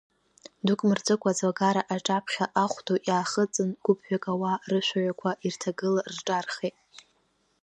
Дук мырҵыкәа аӡлагара аҿаԥхьа ахә ду иаахыҵын гәыԥҩык ауаа рышәаҩақәа ирҭагыла рҿаархеит.